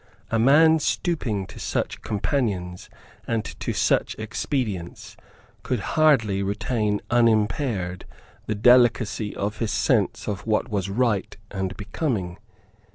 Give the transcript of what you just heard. A man stooping to such companions and to such expedients could hardly retain unimpaired the delicacy of his sense of what was right and becoming.